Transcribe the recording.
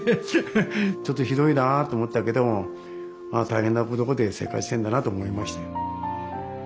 ちょっとひどいなと思ったけどもああ大変なところで生活してんだなと思いましたよ。